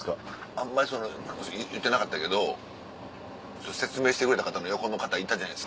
あんまり言ってなかったけど説明してくれた方の横の方いたじゃないですか。